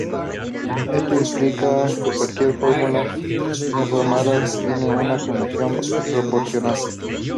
Esto implica que cualquier fórmula bien formada define una función proposicional.